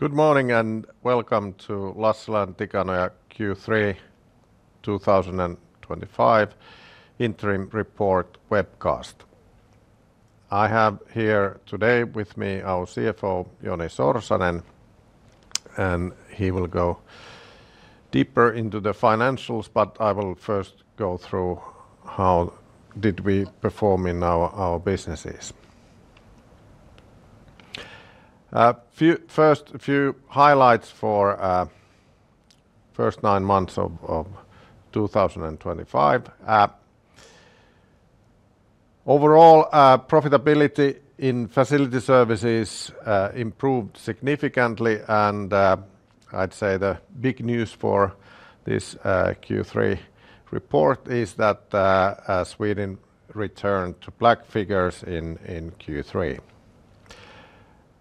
Good morning and welcome to Lassila & Tikanoja Oyj Q3 2025 interim report webcast. I have here today with me our CFO, Joni Sorsanen, and he will go deeper into the financials, but I will first go through how did we perform in our businesses. First few highlights for the first nine months of 2025. Overall, profitability in Facility Services improved significantly, and I'd say the big news for this Q3 report is that Sweden returned to black figures in Q3.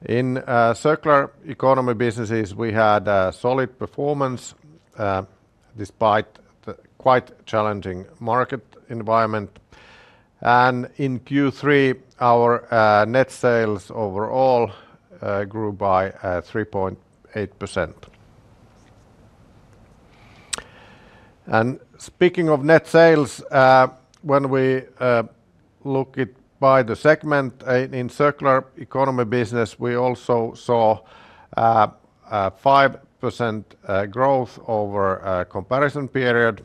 In Circular Economy businesses, we had a solid performance despite the quite challenging market environment, and in Q3, our net sales overall grew by 3.8%. Speaking of net sales, when we look at by the segment in Circular Economy business, we also saw 5% growth over the comparison period.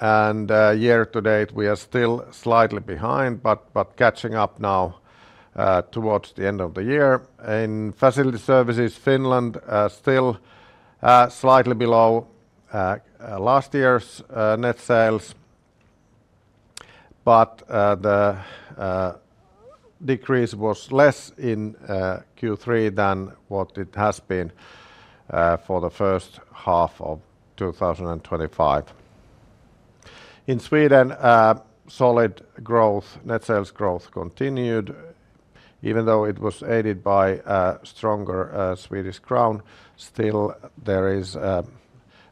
Year to date, we are still slightly behind, but catching up now towards the end of the year. In Facility Services, Finland is still slightly below last year's net sales, but the decrease was less in Q3 than what it has been for the first half of 2025. In Sweden, solid growth, net sales growth continued, even though it was aided by a stronger Swedish crown. Still, there is a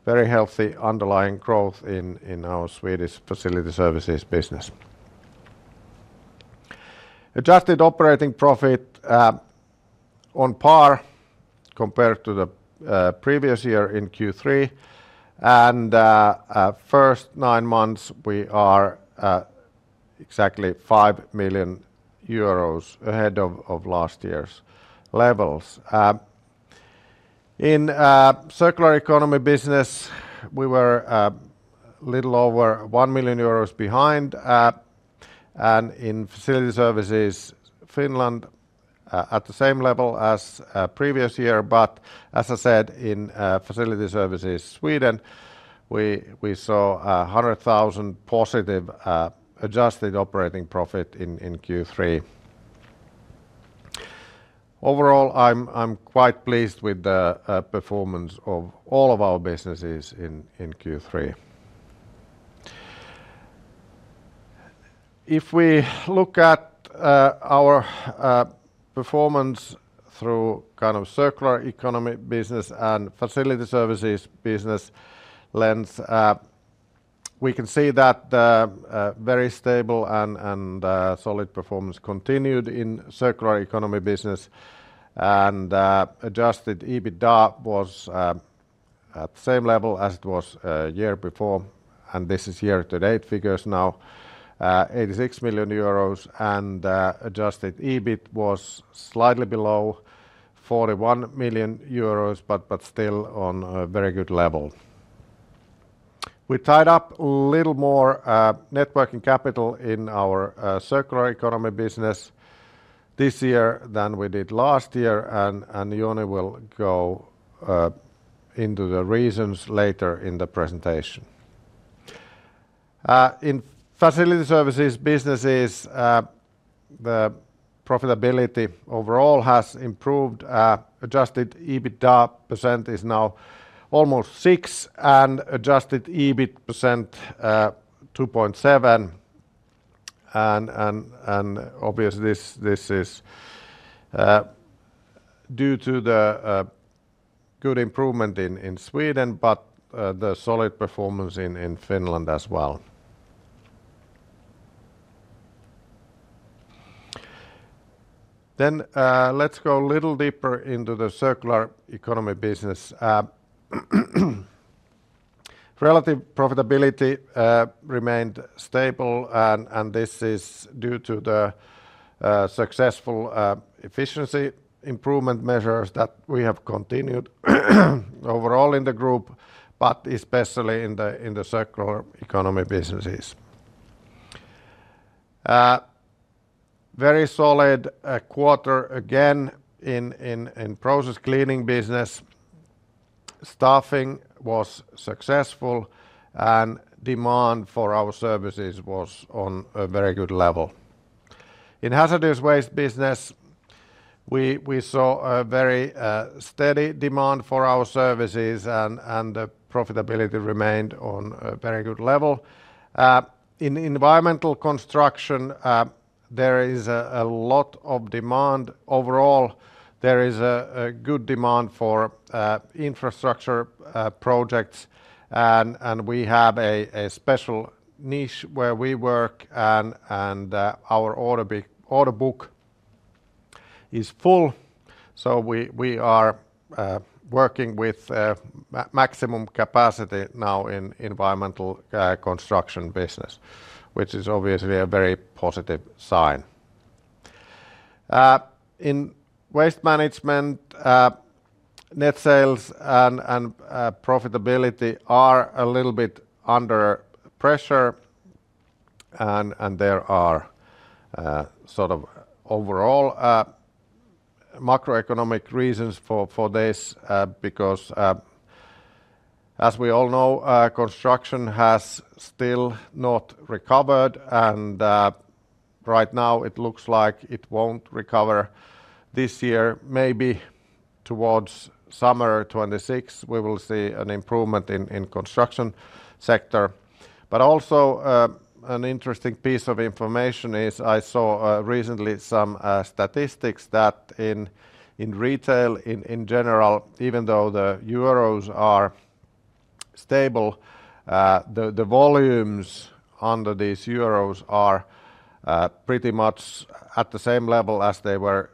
very healthy underlying growth in our Swedish Facility Services business. Adjusted operating profit on par compared to the previous year in Q3, and the first nine months, we are exactly 5 million euros ahead of last year's levels. In Circular Economy business, we were a little over 1 million euros behind, and in Facility Services, Finland at the same level as the previous year. In Facility Services, Sweden, we saw 100,000 positive adjusted operating profit in Q3. Overall, I'm quite pleased with the performance of all of our businesses in Q3. If we look at our performance through kind of Circular Economy business and Facility Services business lens, we can see that the very stable and solid performance continued in Circular Economy business, Adjusted EBITda was at the same level as it was a year before, and this is year to date figures now, 86 million euros, and Adjusted EBIT was slightly below 41 million euros, but still on a very good level. We tied up a little more net working capital in our Circular Economy business this year than we did last year, and Joni will go into the reasons later in the presentation. In Facility Services businesses, the profitability overall has Adjusted EBITda % is now almost 6, and Adjusted EBIT percentage 2.7. Obviously, this is due to the good improvement in Sweden, but the solid performance in Finland as well. Let's go a little deeper into the circular economy business. Relative profitability remained stable, and this is due to the successful efficiency improvement measures that we have continued overall in the group, especially in the circular economy businesses. Very solid quarter again in process cleaning business. Staffing was successful, and demand for our services was on a very good level. In hazardous waste business, we saw a very steady demand for our services, and the profitability remained on a very good level. In environmental construction, there is a lot of demand. Overall, there is a good demand for infrastructure projects, and we have a special niche where we work, and our order book is full. We are working with maximum capacity now in the environmental construction business, which is obviously a very positive sign. In waste management, net sales and profitability are a little bit under pressure, and there are overall macroeconomic reasons for this, because as we all know, construction has still not recovered, and right now it looks like it won't recover this year. Maybe towards summer 2026, we will see an improvement in the construction sector. Also, an interesting piece of information is I saw recently some statistics that in retail in general, even though the euros are stable, the volumes under these euros are pretty much at the same level as they were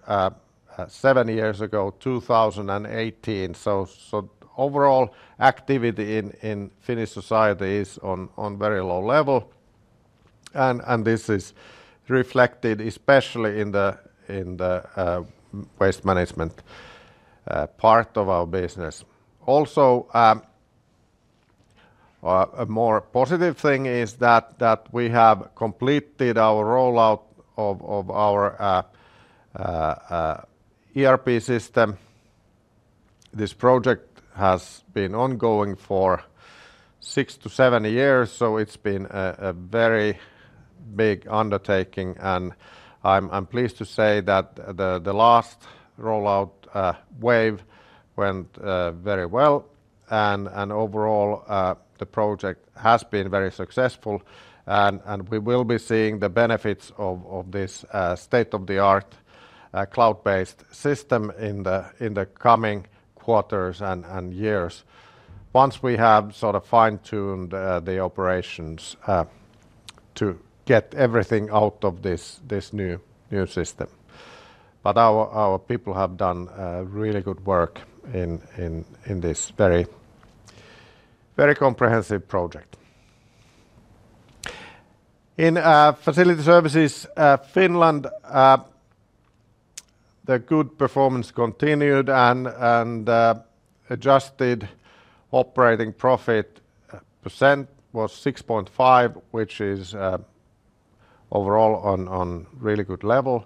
seven years ago, 2018. Overall, activity in Finnish society is on a very low level, and this is reflected especially in the waste management part of our business. A more positive thing is that we have completed our rollout of our ERP system. This project has been ongoing for six to seven years, so it's been a very big undertaking, and I'm pleased to say that the last rollout wave went very well, and overall, the project has been very successful, and we will be seeing the benefits of this state-of-the-art cloud-based system in the coming quarters and years, once we have fine-tuned the operations to get everything out of this new system. Our people have done really good work in this very comprehensive project. In Facility Services Finland, the good performance continued, and adjusted operating profit % was 6.5%, which is overall on a really good level.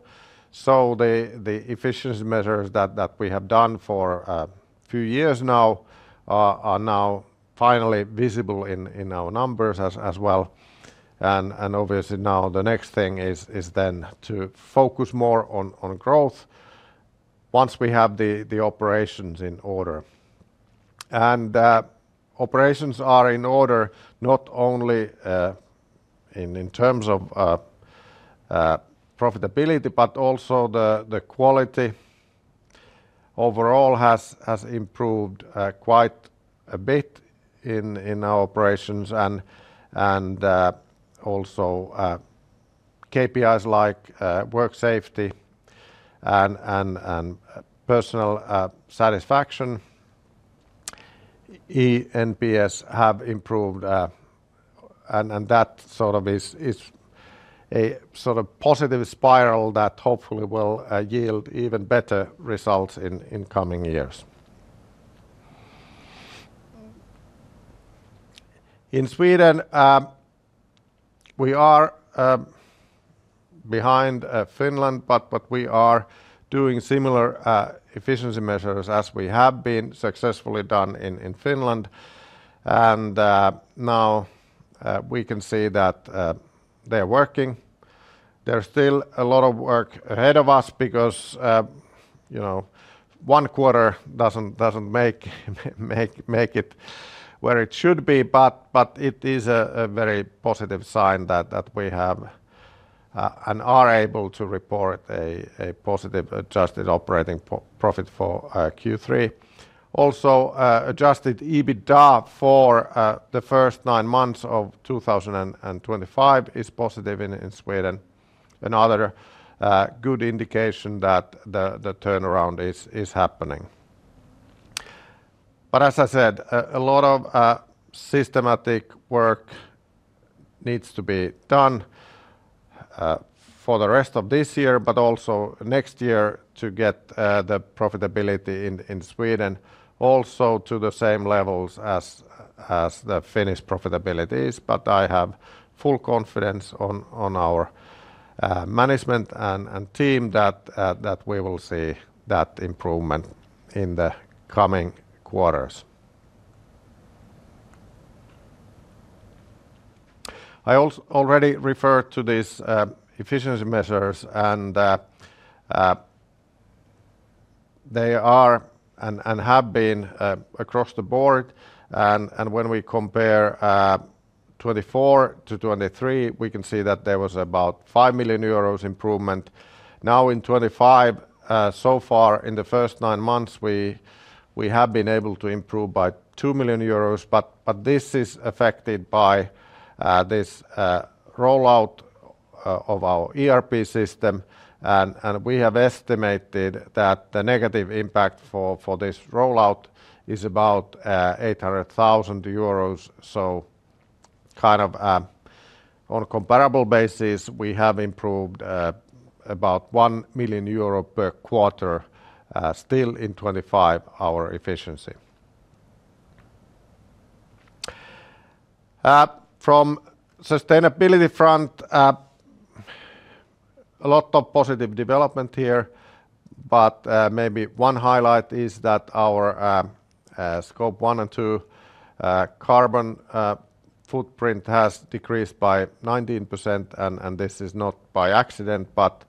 The efficiency measures that we have done for a few years now are finally visible in our numbers as well, and obviously the next thing is to focus more on growth once we have the operations in order. Operations are in order not only in terms of profitability, but also the quality overall has improved quite a bit in our operations, and also KPIs like work safety and personal satisfaction have improved, and that is a sort of positive spiral that hopefully will yield even better results in coming years. In Sweden, we are behind Finland, but we are doing similar efficiency measures as we have been successfully done in Finland, and now we can see that they are working. There's still a lot of work ahead of us because one quarter doesn't make it where it should be, but it is a very positive sign that we have and are able to report a positive adjusted operating profit for Q3. Adjusted EBITda for the first nine months of 2025 is positive in Sweden, another good indication that the turnaround is happening. As I said, a lot of systematic work needs to be done for the rest of this year, but also next year to get the profitability in Sweden also to the same levels as the Finnish profitability is, but I have full confidence in our management and team that we will see that improvement in the coming quarters. I already referred to these efficiency measures, and they are and have been across the board, and when we compare 2024 to 2023, we can see that there was about 5 million euros improvement. Now in 2025, so far in the first nine months, we have been able to improve by 2 million euros, but this is affected by this rollout of our ERP system, and we have estimated that the negative impact for this rollout is about 800,000 euros. On a comparable basis, we have improved about 1 million euro per quarter still in 2025, our efficiency. From the sustainability front, a lot of positive development here, but maybe one highlight is that our scope 1 and 2 carbon footprint has decreased by 19%, and this is not by accident, but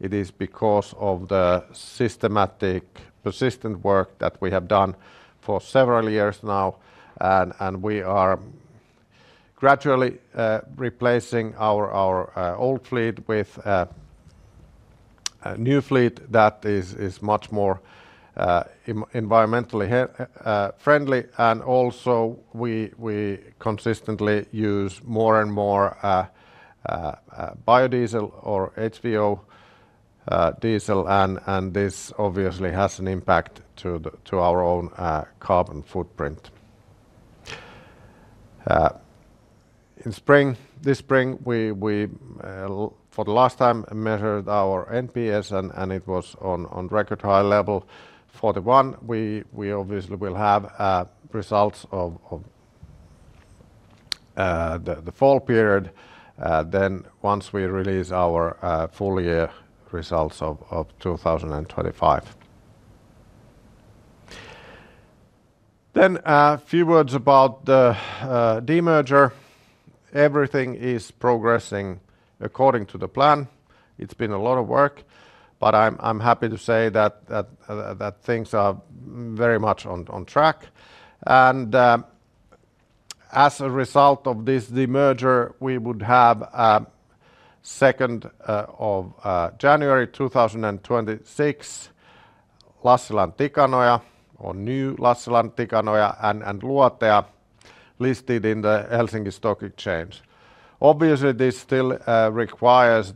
it is because of the systematic persistent work that we have done for several years now, and we are gradually replacing our old fleet with a new fleet that is much more environmentally friendly, and also we consistently use more and more biodiesel or HVO diesel, and this obviously has an impact to our own carbon footprint. In spring, this spring, we for the last time measured our NPS, and it was on a record high level, 41. We obviously will have results of the fall period once we release our full year results of 2025. A few words about the demerger. Everything is progressing according to the plan. It's been a lot of work, but I'm happy to say that things are very much on track, and as a result of this demerger, we would have 2nd of January 2026, Lassila & Tikanoja or new Lassila & Tikanoja and Luotea listed in the Helsinki Stock Exchange. Obviously, this still requires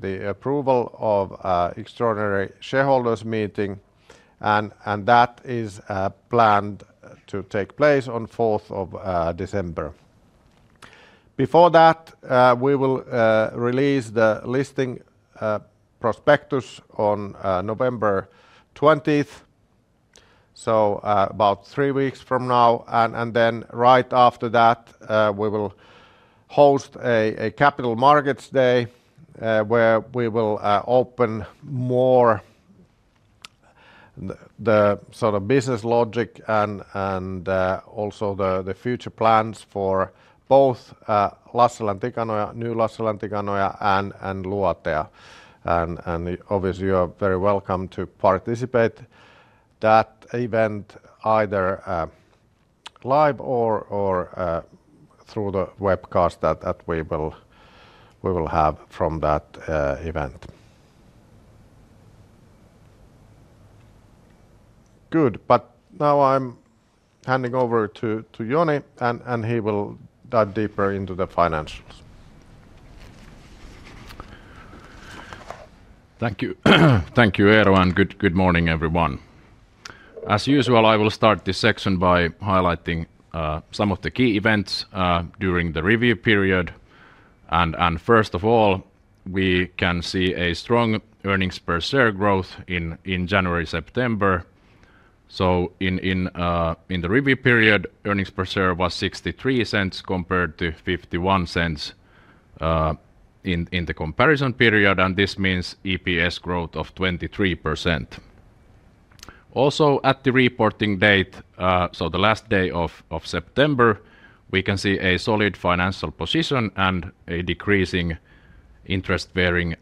the approval of an extraordinary shareholders meeting, and that is planned to take place on 4th of December. Before that, we will release the listing prospectus on November 20th, so about three weeks from now, and right after that, we will host a capital markets day where we will open more the sort of business logic and also the future plans for both Lassila & Tikanoja, new Lassila & Tikanoja and Luotea, and obviously, you are very welcome to participate in that event either live or through the webcast that we will have from that event. Good, now I'm handing over to Joni, and he will dive deeper into the financials. Thank you, Eero, and good morning everyone. As usual, I will start this section by highlighting some of the key events during the review period. First of all, we can see a strong earnings per share growth in January-September. In the review period, earnings per share was $0.63 compared to $0.51 in the comparison period, and this means EPS growth of 23%. Also at the reporting date, the last day of September, we can see a solid financial position and a decreasing interest-bearing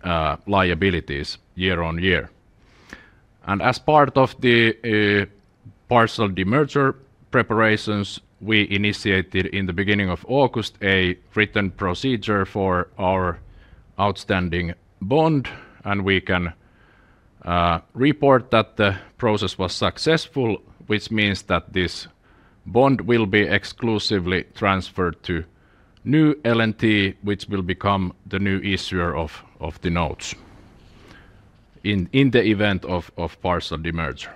liabilities year-on-year. As part of the Partial Demerger preparations, we initiated in the beginning of August a written procedure for our outstanding bond, and we can report that the process was successful, which means that this bond will be exclusively transferred to new L&T, which will become the new issuer of the notes in the event of Partial Demerger.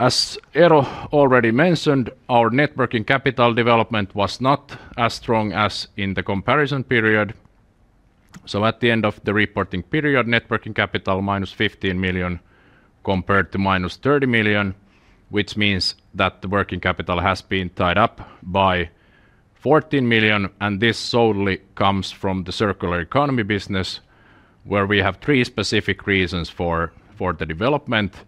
As Eero already mentioned, our net working capital development was not as strong as in the comparison period. At the end of the reporting period, net working capital was -$15 million compared to -$30 million, which means that the working capital has been tied up by $14 million, and this solely comes from the circular economy business where we have three specific reasons for the development.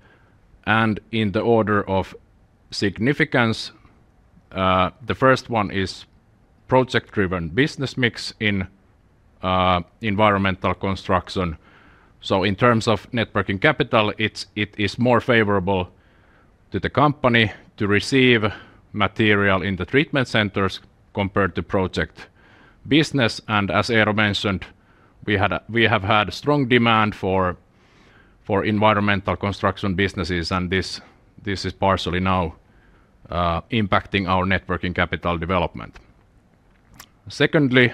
In the order of significance, the first one is project-driven business mix in environmental construction. In terms of net working capital, it is more favorable to the company to receive material in the treatment centers compared to project business. As Eero mentioned, we have had strong demand for environmental construction businesses, and this is partially now impacting our net working capital development. Secondly,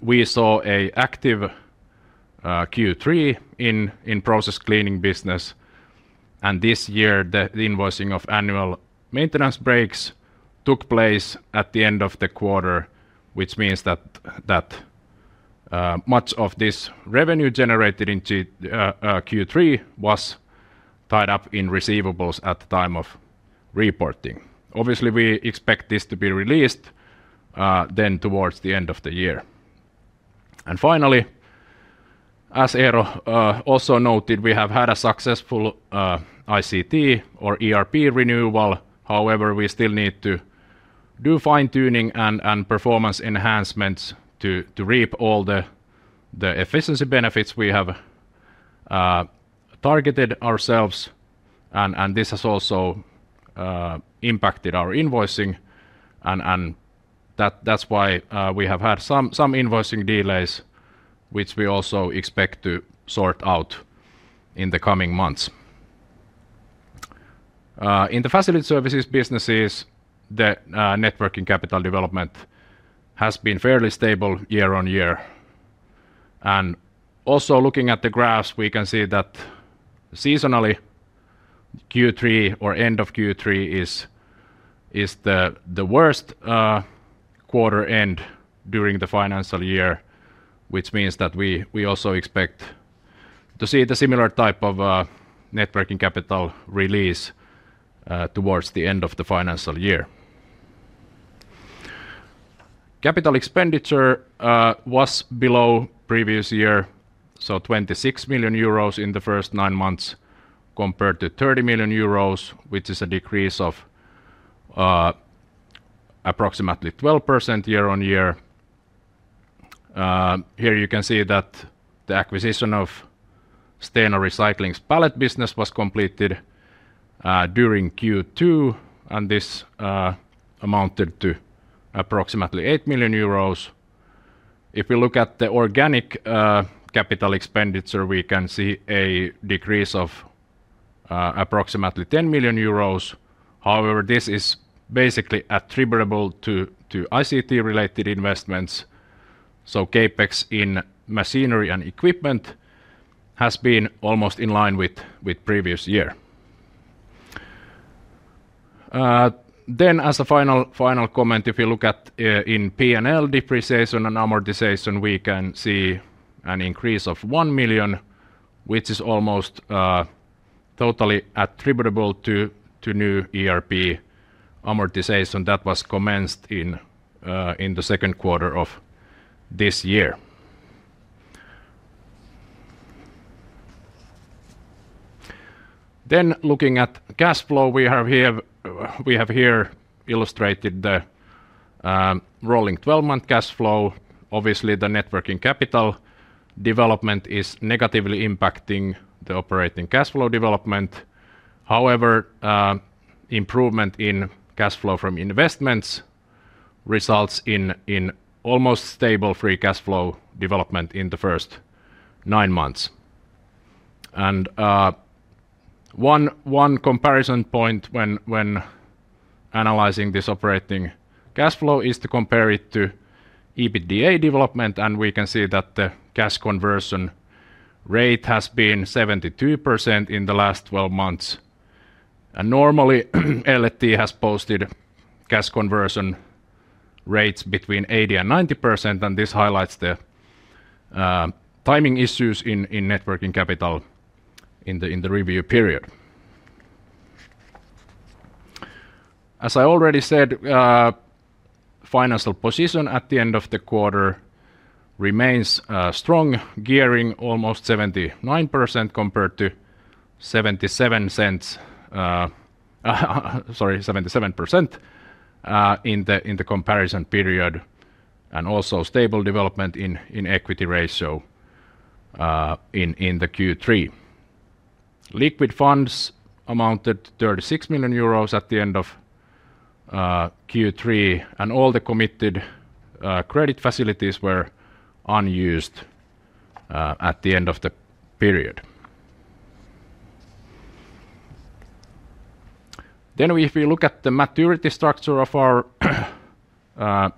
we saw an active Q3 in process cleaning business, and this year, the invoicing of annual maintenance breaks took place at the end of the quarter, which means that much of this revenue generated in Q3 was tied up in receivables at the time of reporting. Obviously, we expect this to be released then towards the end of the year. Finally, as Eero also noted, we have had a successful ICT or ERP renewal. However, we still need to do fine-tuning and performance enhancements to reap all the efficiency benefits we have targeted ourselves, and this has also impacted our invoicing. That's why we have had some invoicing delays, which we also expect to sort out in the coming months. In the Facility Services businesses, the net working capital development has been fairly stable year-on-year. Also looking at the graphs, we can see that seasonally, Q3 or end of Q3 is the worst quarter end during the financial year, which means that we also expect to see the similar type of net working capital release towards the end of the financial year. Capital expenditure was below previous year, so 26 million euros in the first nine months compared to 30 million euros, which is a decrease of approximately 12% year-on-year. Here you can see that the acquisition of Stena Recycling pallet business was completed during Q2, and this amounted to approximately 8 million euros. If we look at the organic capital expenditure, we can see a decrease of approximately 10 million euros; however, this is basically attributable to ICT-related investments. CapEx in machinery and equipment has been almost in line with the previous year. As a final comment, if you look at in P&L depreciation and amortization, we can see an increase of 1 million, which is almost totally attributable to new ERP amortization that was commenced in the second quarter of this year. Looking at cash flow, we have here illustrated the rolling 12-month cash flow. Obviously, the net working capital development is negatively impacting the operating cash flow development. However, improvement in cash flow from investments results in almost stable free cash flow development in the first nine months. One comparison point when analyzing this operating cash flow is to compare it to EBITDA development, and we can see that the cash conversion rate has been 72% in the last 12 months. Normally, L&T has posted cash conversion rates between 80% and 90%, and this highlights the timing issues in net working capital in the review period. As I already said, financial position at the end of the quarter remains strong, gearing almost 79% compared to 0.77 in the comparison period, and also stable development in equity ratio in the Q3. Liquid funds amounted to 36 million euros at the end of Q3, and all the committed credit facilities were unused at the end of the period. If we look at the maturity structure of our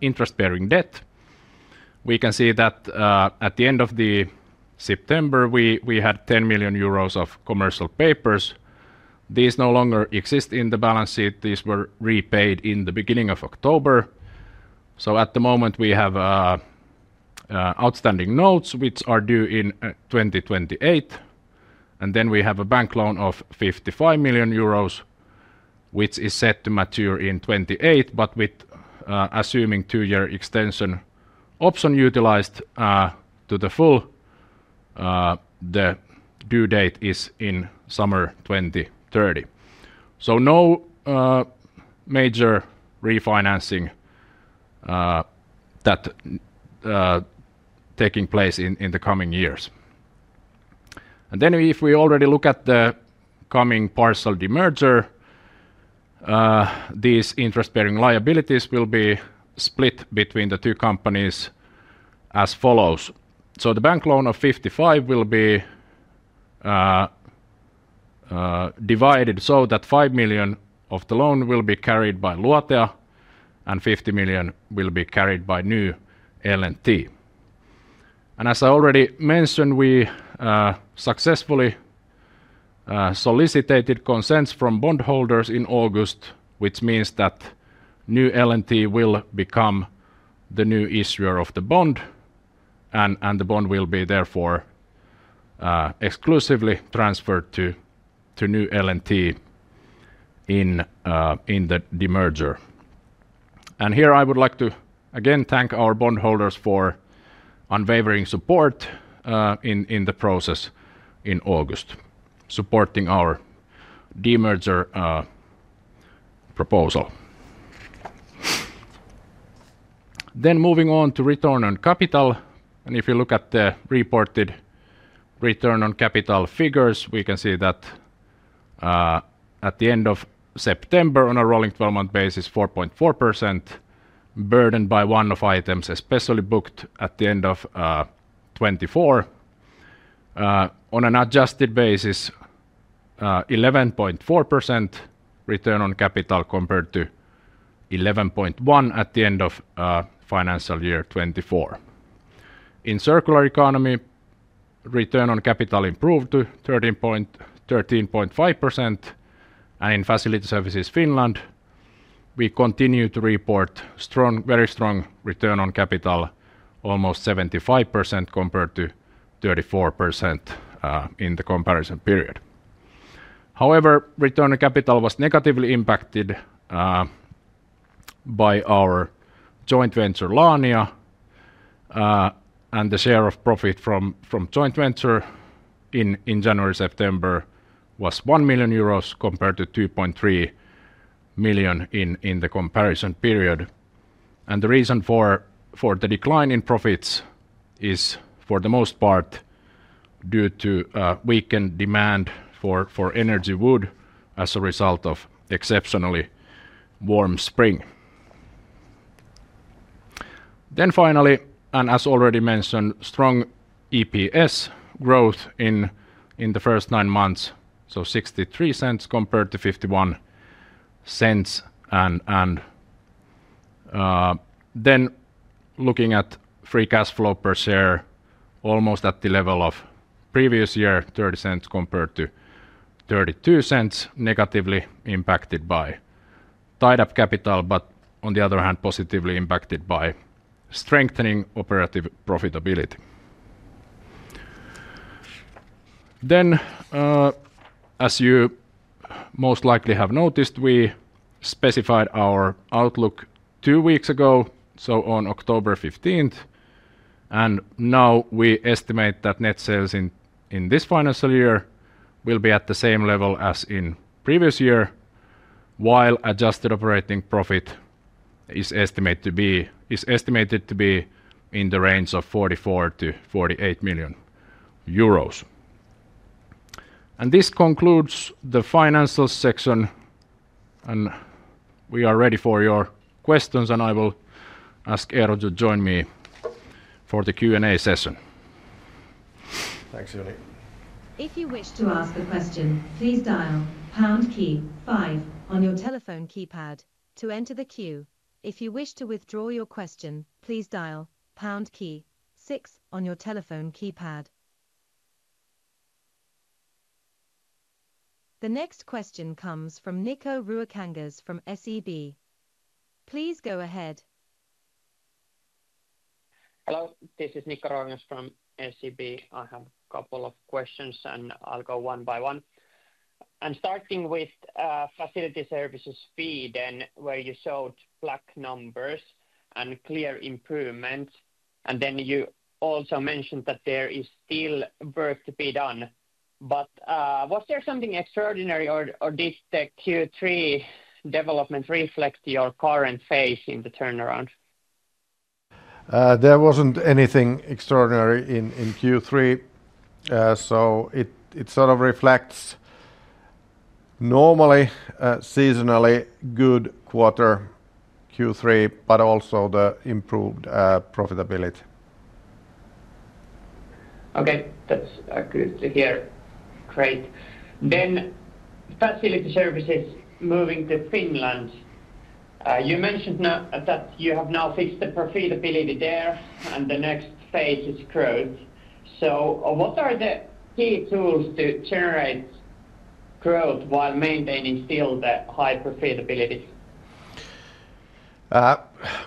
interest-bearing debt, we can see that at the end of September, we had 10 million euros of commercial papers. These no longer exist in the balance sheet, as these were repaid in the beginning of October. At the moment, we have outstanding notes which are due in 2028, and we have a bank loan of 55 million euros, which is set to mature in 2028. Assuming the two-year extension option is utilized to the full, the due date is in summer 2030. No major refinancing is taking place in the coming years. If we already look at the coming Partial Demerger, these interest-bearing liabilities will be split between the two companies as follows. The bank loan of 55 million will be divided so that 5 million of the loan will be carried by Luotea, and 50 million will be carried by new L&T. As I already mentioned, we successfully solicited consents from bondholders in August, which means that new L&T will become the new issuer of the bond, and the bond will therefore be exclusively transferred to new L&T in the demerger. I would like to again thank our bondholders for unwavering support in the process in August, supporting our demerger proposal. Moving on to return on capital, if you look at the reported return on capital figures, we can see that at the end of September, on a rolling 12-month basis, it was 4.4%, burdened by one-off items especially booked at the end of 2024. On an adjusted basis, 11.4% return on capital compared to 11.1% at the end of financial year 2024. In circular economy, return on capital improved to 13.5%, and in Facility Services Finland, we continue to report very strong return on capital, almost 75% compared to 34% in the comparison period. However, return on capital was negatively impacted by our joint venture, Laania, and the share of profit from joint venture in January-September was 1 million euros compared to 2.3 million in the comparison period. The reason for the decline in profits is for the most part due to weakened demand for energy wood as a result of exceptionally warm spring. Finally, as already mentioned, strong EPS growth in the first nine months, so $0.63 compared to $0.51. Looking at free cash flow per share, almost at the level of previous year, $0.30 compared to $0.32, negatively impacted by tied-up capital, but on the other hand, positively impacted by strengthening operative profitability. As you most likely have noticed, we specified our outlook two weeks ago, on October 15, and now we estimate that net sales in this financial year will be at the same level as in the previous year, while adjusted operating profit is estimated to be in the range of 44 million-48 million euros. This concludes the financial section, and we are ready for your questions. I will ask Eero to join me for the Q&A session. Thanks, Joni. If you wish to ask a question, please dial pound key five on your telephone keypad to enter the queue. If you wish to withdraw your question, please dial pound key six on your telephone keypad. The next question comes from Nikko Ruokangas from SEB. Please go ahead. Hello, this is Nico Ruokangas from SEB. I have a couple of questions, and I'll go one by one. I'm starting with Facility Services Sweden, where you showed black numbers and clear improvements, and you also mentioned that there is still work to be done. Was there something extraordinary, or did the Q3 development reflect your current phase in the turnaround? There wasn't anything extraordinary in Q3, so it sort of reflects a normally seasonally good quarter Q3, but also the improved profitability. Okay, that's good to hear. Great. Facility Services moving to Finland, you mentioned that you have now fixed the profitability there, and the next phase is growth. What are the key tools to generate growth while maintaining still the high profitability?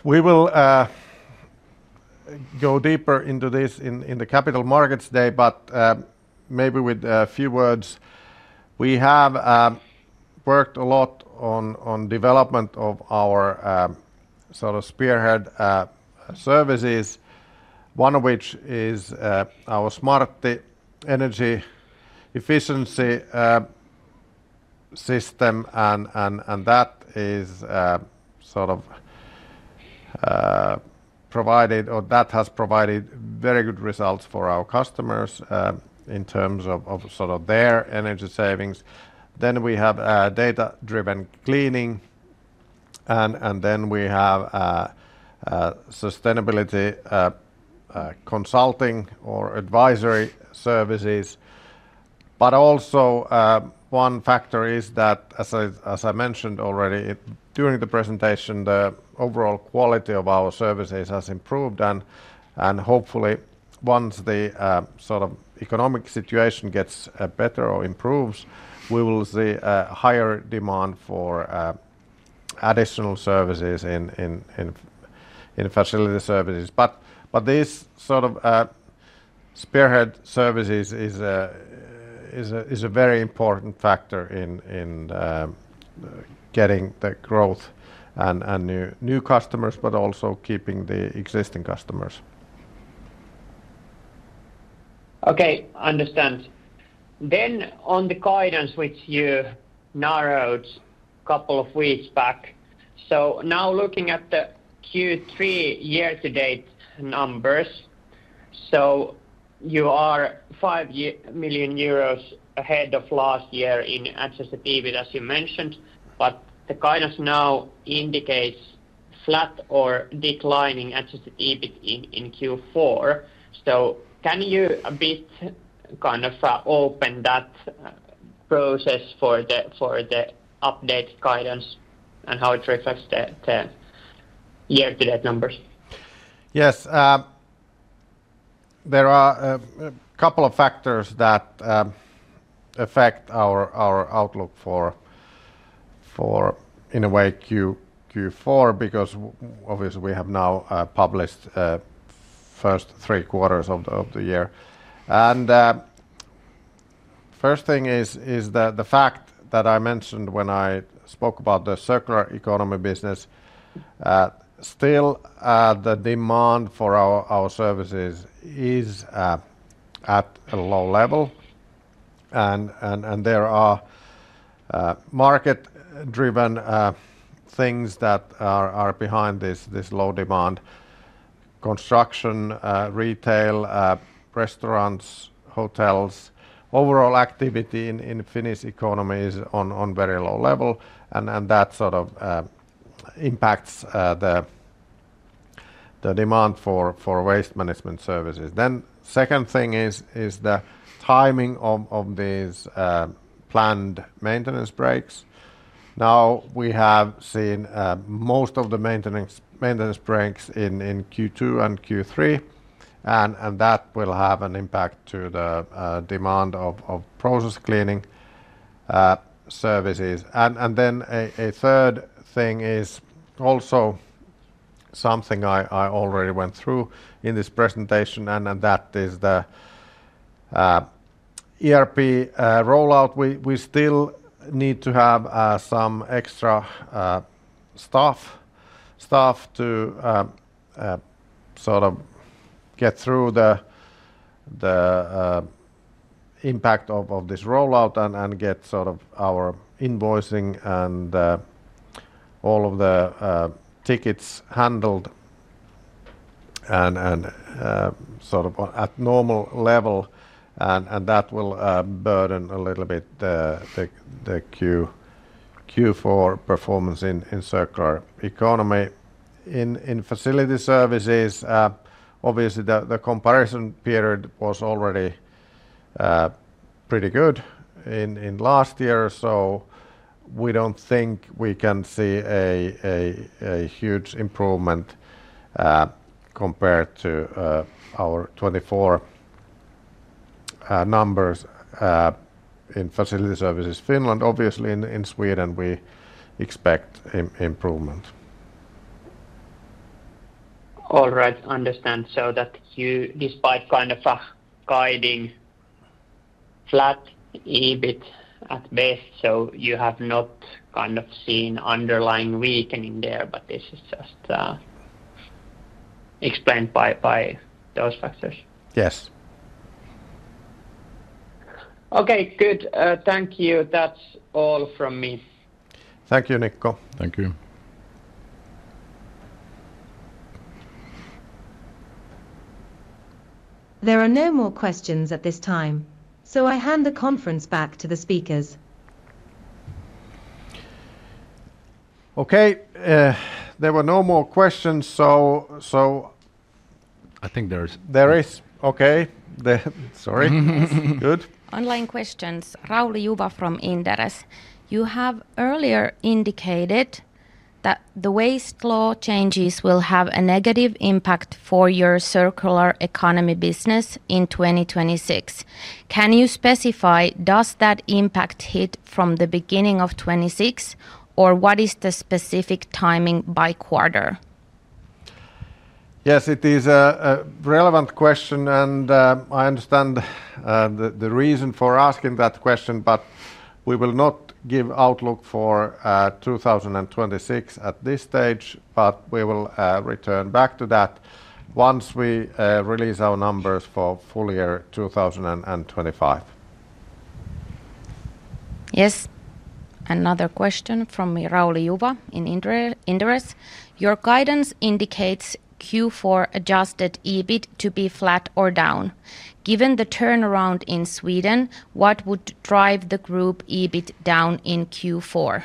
We will go deeper into this in the capital markets day, but maybe with a few words. We have worked a lot on the development of our sort of spearhead services, one of which is our Smarty energy efficiency system, and that has provided very good results for our customers in terms of their energy savings. We have data-driven cleaning, and we have sustainability consulting or advisory services. Also, one factor is that, as I mentioned already during the presentation, the overall quality of our services has improved, and hopefully once the economic situation gets better or improves, we will see a higher demand for additional services in Facility Services. This sort of spearhead services is a very important factor in getting the growth and new customers, but also keeping the existing customers. Okay, I understand. On the guidance which you narrowed a couple of weeks back, now looking at the Q3 year-to-date numbers, you are 5 million euros ahead of last year in Adjusted EBIT, as you mentioned, but the guidance now indicates flat or declining Adjusted EBIT in Q4. Can you open that process for the updated guidance and how it reflects the year-to-date numbers? Yes, there are a couple of factors that affect our outlook for, in a way, Q4, because obviously we have now published the first three quarters of the year. The first thing is the fact that I mentioned when I spoke about the circular economy business. Still, the demand for our services is at a low level, and there are market-driven things that are behind this low demand: construction, retail, restaurants, hotels, overall activity in Finnish economies is on a very low level, and that sort of impacts the demand for waste management services. The second thing is the timing of these planned maintenance breaks. Now we have seen most of the maintenance breaks in Q2 and Q3, and that will have an impact on the demand of process cleaning services. A third thing is also something I already went through in this presentation, and that is the ERP rollout. We still need to have some extra staff to sort of get through the impact of this rollout and get sort of our invoicing and all of the tickets handled and sort of at a normal level, and that will burden a little bit the Q4 performance in circular economy. In Facility Services, obviously the comparison period was already pretty good in the last year, so we don't think we can see a huge improvement compared to our 2024 numbers in Facility Services Finland. Obviously, in Sweden, we expect improvement. All right, I understand. That you, despite kind of a guiding flat EBIT at best, you have not kind of seen underlying weakening there, but this is just explained by those factors. Yes. Okay, good. Thank you. That's all from me. Thank you, Nikko. Thank you. There are no more questions at this time, so I hand the conference back to the speakers. Okay, there were no more questions. I think there is. Okay. Sorry. Good. Online questions. Rauli Juva from Inderes. You have earlier indicated that the waste law changes will have a negative impact for your circular economy business in 2026. Can you specify, does that impact hit from the beginning of 2026, or what is the specific timing by quarter? Yes, it is a relevant question, and I understand the reason for asking that question. We will not give outlook for 2026 at this stage, but we will return back to that once we release our numbers for full year 2025. Yes, another question from Rauli Juva in Inderes. Your guidance indicates Q4 adjusted operating profit to be flat or down. Given the turnaround in Sweden, what would drive the group adjusted operating profit down in Q4?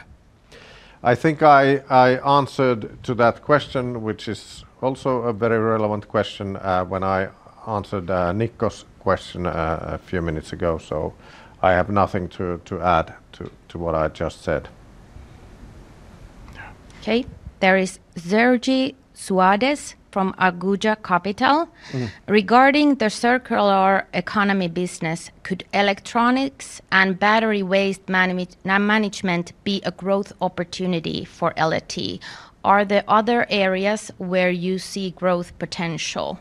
I think I answered to that question, which is also a very relevant question, when I answered Nikko's question a few minutes ago, so I have nothing to add to what I just said. Okay, there is Sergi Suades from Aguja Capital. Regarding the circular economy business, could electronics and battery waste management be a growth opportunity for L&T? Are there other areas where you see growth potential?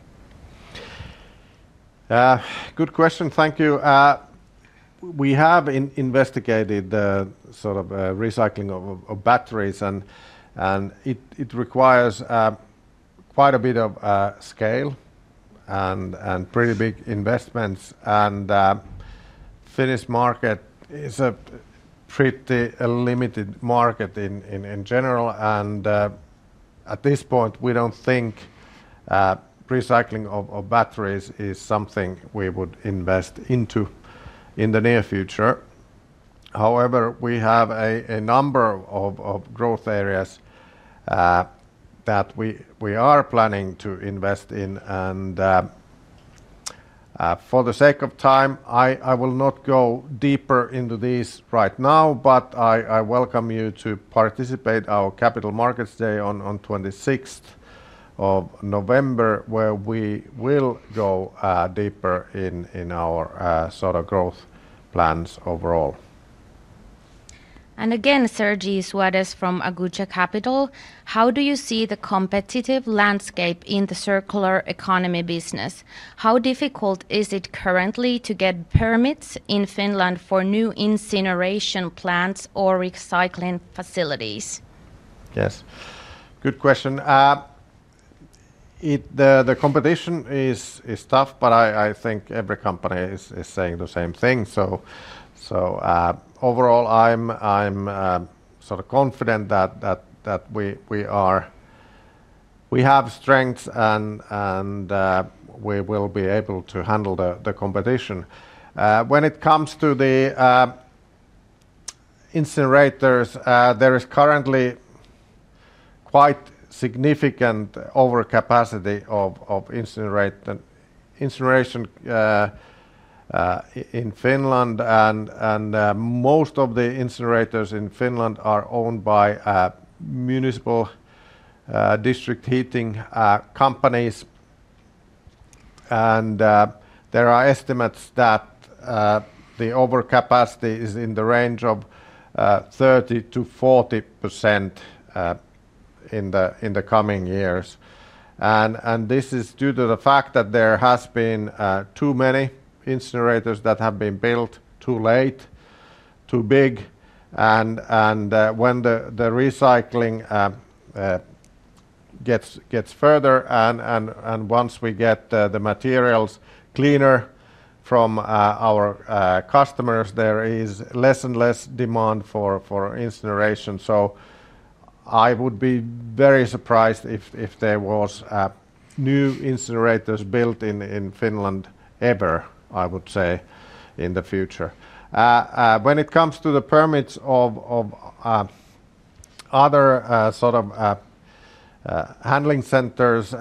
Good question, thank you. We have investigated the sort of recycling of batteries, and it requires quite a bit of scale and pretty big investments, and the Finnish market is a pretty limited market in general. At this point, we don't think recycling of batteries is something we would invest into in the near future. However, we have a number of growth areas that we are planning to invest in, and for the sake of time, I will not go deeper into these right now, but I welcome you to participate in our capital markets day on 26th of November, where we will go deeper in our sort of growth plans overall. Sergi Suades from Aguja Capital. How do you see the competitive landscape in the circular economy business? How difficult is it currently to get permits in Finland for new incineration plants or recycling facilities? Yes, good question. The competition is tough, but I think every company is saying the same thing, so overall, I'm sort of confident that we have strength and we will be able to handle the competition. When it comes to the incinerators, there is currently quite significant overcapacity of incineration in Finland, and most of the incinerators in Finland are owned by municipal district heating companies, and there are estimates that the overcapacity is in the range of 30%-40% in the coming years. This is due to the fact that there have been too many incinerators that have been built too late, too big, and when the recycling gets further, and once we get the materials cleaner from our customers, there is less and less demand for incineration. I would be very surprised if there were new incinerators built in Finland ever, I would say, in the future. When it comes to the permits of other sort of handling centers,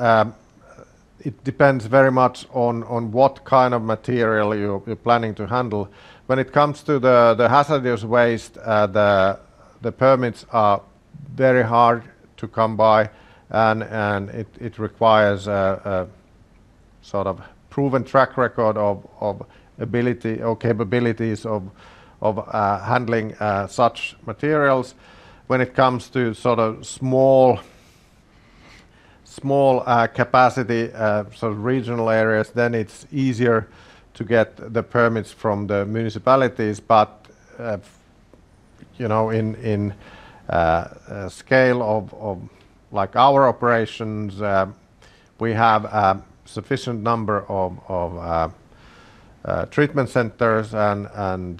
it depends very much on what kind of material you're planning to handle. When it comes to the hazardous waste, the permits are very hard to come by, and it requires a sort of proven track record of ability or capabilities of handling such materials. When it comes to sort of small capacity sort of regional areas, then it's easier to get the permits from the municipalities, but in a scale of like our operations, we have a sufficient number of treatment centers and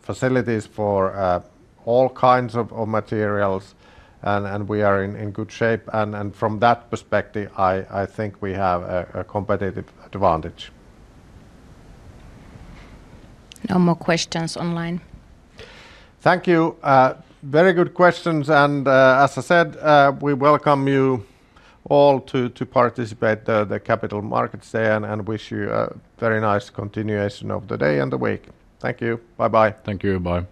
facilities for all kinds of materials, and we are in good shape, and from that perspective, I think we have a competitive advantage. No more questions online. Thank you. Very good questions, and as I said, we welcome you all to participate in the capital markets day and wish you a very nice continuation of the day and the week. Thank you. Bye-bye. Thank you. Bye.